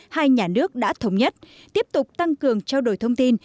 hai nhà nước đã thống nhất tiếp tục tăng cường trao đổi thông tin